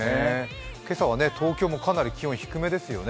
今朝は東京もかなり気温低めですよね。